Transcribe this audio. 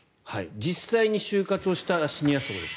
実際に就活をしたシニア層です。